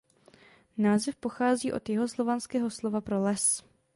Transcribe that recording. Název pochází od jihoslovanského slova pro "les".